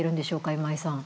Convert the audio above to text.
今井さん。